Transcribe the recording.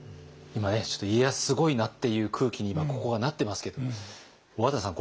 今ねちょっと家康すごいなっていう空気にここがなってますけども小和田さん